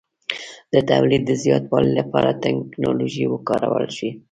د تولید د زیاتوالي لپاره ټکنالوژي وکارول شوه.